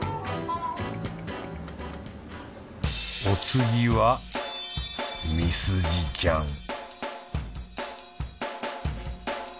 お次はミスジちゃん